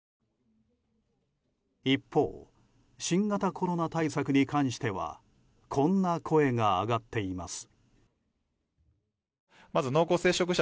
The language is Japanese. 一方、新型コロナ対策に関してはこんな声が上がっています。